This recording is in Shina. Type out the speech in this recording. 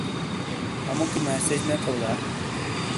ہموکی مسیج نے تھؤ دا؟